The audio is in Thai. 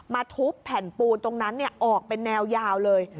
ทุบแผ่นปูนตรงนั้นออกเป็นแนวยาวเลย